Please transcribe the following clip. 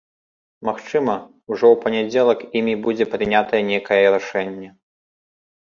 Магчыма, ужо у панядзелак імі будзе прынятае нейкае рашэнне.